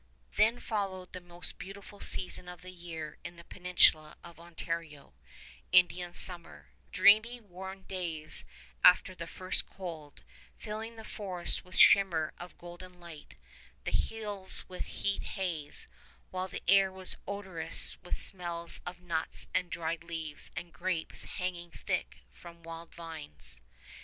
Then followed the most beautiful season of the year in the peninsula of Ontario, Indian summer, dreamy warm days after the first cold, filling the forest with a shimmer of golden light, the hills with heat haze, while the air was odorous with smells of nuts and dried leaves and grapes hanging thick from wild vines.